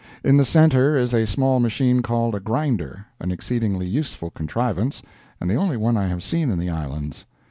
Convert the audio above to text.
In the center is a small machine called a grinder—an exceedingly useful contrivance, and the only one I have seen in the Islands.